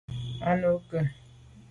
A nu ke ?